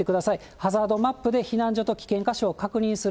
ハザードマップで避難所と危険個所を確認する。